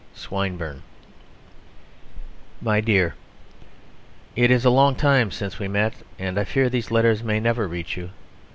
SWINBURNE. My Dear It is a long time since we met; and I fear these letters may never reach you.